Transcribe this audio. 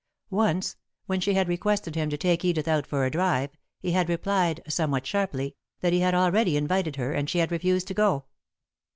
Once, when she had requested him to take Edith out for a drive, he had replied, somewhat sharply, that he had already invited her and she had refused to go.